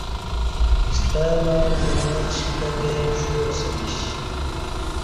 ستمع نماچ کتےپݜویاسمیش